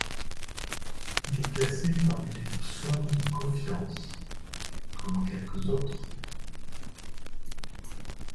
Il est classé parmi les psaumes de confiance, comme quelques autres.